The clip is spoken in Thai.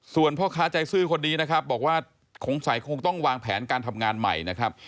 ส่วนพ่อค้าใจซื้อคนนี้นะครับบอกว่าสงสัยคงต้องวางแผนการทำงานใหม่นะครับ